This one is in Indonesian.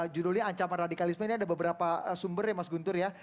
judulnya ancaman radikalisme ini ada beberapa sumber ya mas guntur ya